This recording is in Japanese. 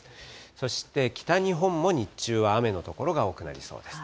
そして北日本も日中は雨の所が多くなりそうです。